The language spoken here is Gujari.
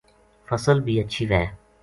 فصل بھی ہچھی وھے